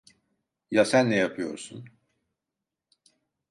Ya sen ne yapıyorsun?